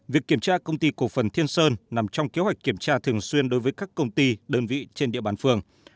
việc kiểm tra công ty cổ phần thiên sơn nằm trong kế hoạch kiểm tra thường xuyên đối với các công ty đơn vị trên địa bàn phường